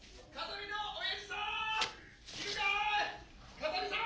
・風見さん！